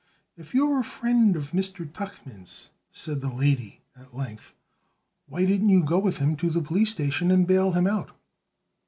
"If you're a friend of Mr. Tuchman's," said the lady at length, "why didn't you go with him to the police station and bail him out?"